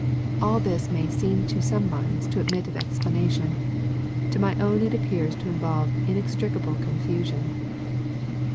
All this may seem to some minds to admit of explanation. To my own it appears to involve inextii* cable confusion.